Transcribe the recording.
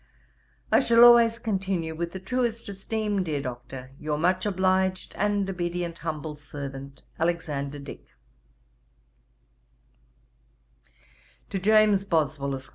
I shall always continue, with the truest esteem, dear Doctor, 'Your much obliged, 'And obedient humble servant, 'ALEXANDER DICK.' 'To JAMES BOSWELL, Esq.